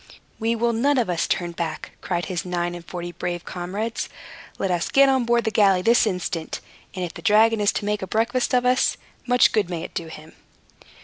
"We will none of us turn back!" cried his nine and forty brave comrades. "Let us get on board the galley this instant; and if the dragon is to make a breakfast of us, much good may it do him."